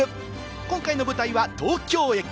今回の舞台は東京駅。